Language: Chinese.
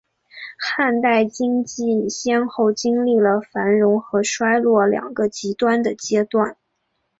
汉代经济先后经历了繁荣和衰落两个极端的阶段。